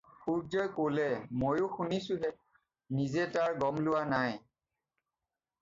সূৰ্য্যই ক'লে- "ময়ো শুনিছোঁহে, নিজে তাৰ গম লোৱা নাই।"